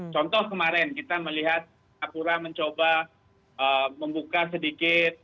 contoh kemarin kita melihat singapura mencoba membuka sedikit